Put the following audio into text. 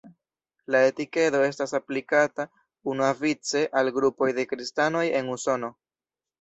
La etikedo estas aplikata unuavice al grupoj de kristanoj en Usono.